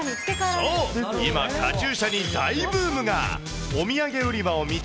そう、今、カチューシャに大ブームが。